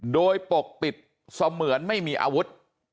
โดยปกปิดเสมือนไม่มีอาวุธ